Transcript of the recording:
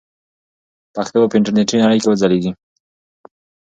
پښتو به په انټرنیټي نړۍ کې وځلیږي.